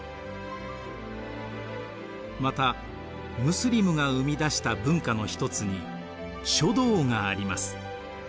またムスリムが生み出した文化の一つに書道があります。